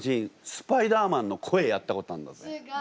スパイダーマンの声やったことあんだぜ。